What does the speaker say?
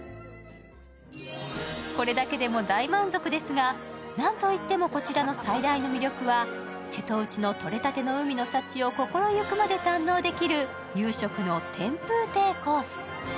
これだけでも大満足ですが、なんといってもこちらの最大の魅力は瀬戸内のとれたての海の幸を心ゆくまで堪能できる夕食の天風邸コース。